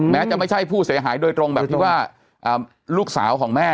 แม้จะไม่ใช่ผู้เสียหายโดยตรงแบบที่ว่าลูกสาวของแม่